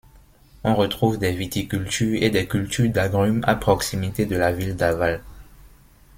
On retrouve des viticultures et des cultures d'agrumes à proximité de la ville d'Aval.